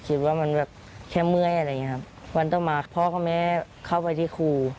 คิดว่ามันแบบแค่เมื่อยอะไรอย่างเงี้ครับวันต่อมาพ่อกับแม่เข้าไปที่ครู